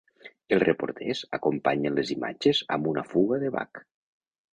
Els reporters acompanyen les imatges amb una fuga de Bach.